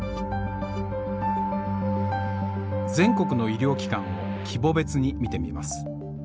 全国の医療機関を規模別に見てみます。